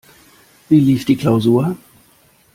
Wie lief die Klausur?